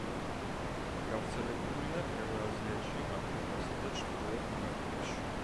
გავრცელებულია ევრაზიაში, აფრიკასა და ჩრდილოეთ ამერიკაში.